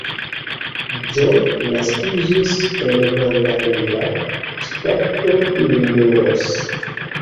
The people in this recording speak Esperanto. John naskiĝis en Vandalia, ŝtato Illinois.